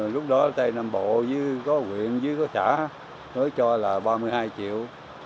lúc đó tây nam bộ dưới có huyện dưới có xã nói cho là ba mươi hai triệu